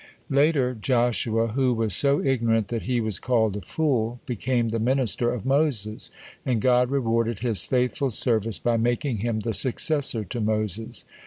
(2) Later Joshua, who was so ignorant that he was called a fool, became the minister of Moses, and God rewarded his faithful service by making him the successor to Moses.